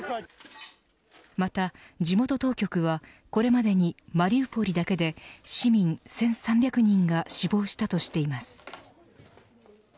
また地元当局はこれまでにマリウポリだけで市民１３００人が死亡したとしています。